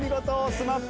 ＳＭＡＰ